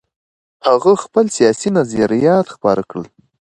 هغه خپل سیاسي نظریات خپاره کړل.